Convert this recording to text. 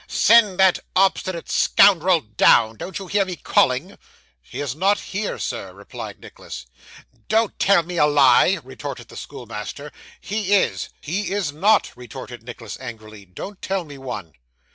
'Send that obstinate scoundrel down; don't you hear me calling?' 'He is not here, sir,' replied Nicholas. 'Don't tell me a lie,' retorted the schoolmaster. 'He is.' 'He is not,' retorted Nicholas angrily, 'don't tell me one.